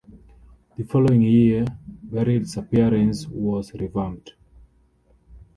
The following year, Beryl's appearance was revamped.